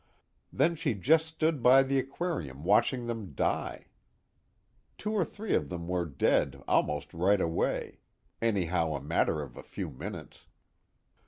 Then she just stood by the aquarium watching them die. Two or three of them were dead almost right away, anyhow a matter of a few minutes.